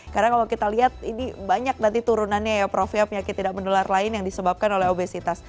karena kalau kita lihat ini banyak nanti turunannya ya prof ya penyakit tidak menular lain yang disebabkan oleh obesitas